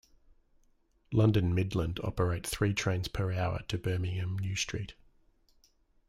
London Midland operate three trains per hour to Birmingham New Street.